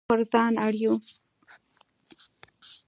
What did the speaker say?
نه پر ځان اړ یو.